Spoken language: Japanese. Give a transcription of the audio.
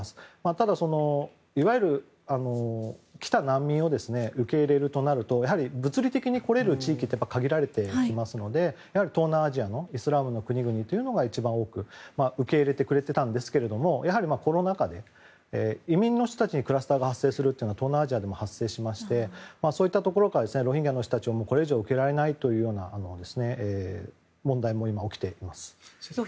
ただ、いわゆる来た難民を受け入れるとなると物理的に来れる地域って限られてきますのでやはり東南アジアのイスラムの国々というのが一番多く受け入れてくれていましたがやはりコロナ禍で移民の人たちにクラスターが発生するというのは東南アジアでも発生しましてそういったところからロヒンギャの人たちをこれ以上受け入れられないという問題も今起きています。